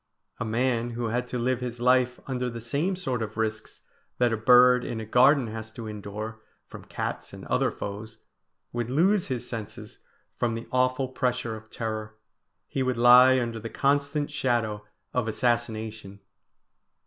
A man who had to live his life under the same sort of risks that a bird in a garden has to endure from cats and other foes, would lose his senses from the awful pressure of terror; he would lie under the constant shadow of assassination.